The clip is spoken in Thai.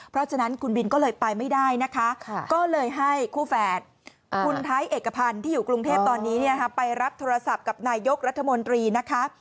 เพราะฉะนั้นคุณบินก็เลยไปไม่ได้นะคะก็เลยให้คู่แฝดคุณไทยเอกพันธ์ที่อยู่กรุงเทพตอนนี้ไปรับโทรศัพท์กับนายกรัฐมนตรีนะคะ